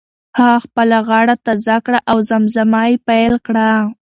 هغه خپله غاړه تازه کړه او زمزمه یې پیل کړه.